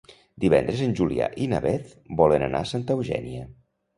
Divendres en Julià i na Beth volen anar a Santa Eugènia.